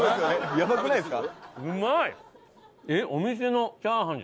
やばくないですか？